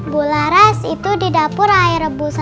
bu laras itu didapur air rebusan sayuran